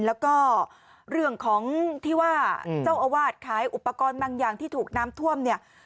แล้วก็เรื่องของที่ว่าเจ้าอาวาสขายอุปกรณ์บางอย่างที่ถูกน้ำท่วมเนี่ย